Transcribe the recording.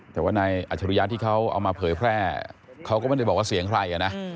แต่ว่านายอัจฉริยะที่เขาเอามาเผยแพร่เขาก็ไม่ได้บอกว่าเสียงใครนะ